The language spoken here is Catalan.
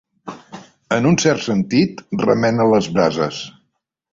En un cert sentit, remena les brases.